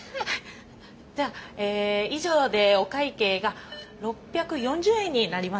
では以上でお会計が６４０円になります。